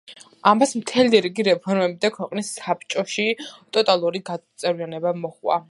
ამას მთელი რიგი რეფორმები და ქვეყნების საბჭო ში ტოტალური გაწევრიანება მოყვა.